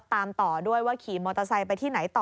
ตามต่อด้วยว่าขี่มอเตอร์ไซค์ไปที่ไหนต่อ